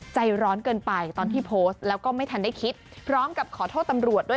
ใจร้อนเกินไปตอนที่โพสต์แล้วก็ไม่ทันได้คิดพร้อมกับขอโทษตำรวจด้วย